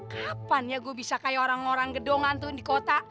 kapan ya gue bisa kayak orang orang gedongan tuh di kota